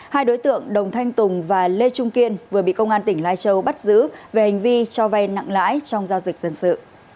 hai đối tượng đồng thanh tùng và lê trung kiên vừa bị công an tỉnh lai châu bắt giữ về hành vi cho vay nặng lãi trong giao dịch dân sự